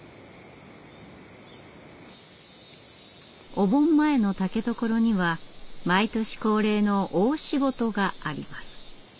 お盆前の竹所には毎年恒例の大仕事があります。